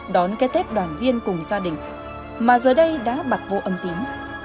đón cái tết đoàn viên cùng gia đình mà giờ đây đã bạc vô âm tím